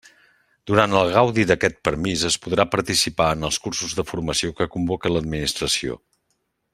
Durant el gaudi d'aquest permís es podrà participar en els cursos de formació que convoque l'Administració.